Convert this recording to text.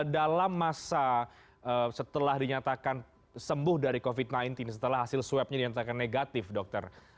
dalam masa setelah dinyatakan sembuh dari covid sembilan belas setelah hasil swabnya dinyatakan negatif dokter